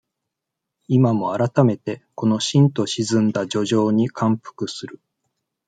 今も、改めて、このしんと沈んだ抒情に感服する。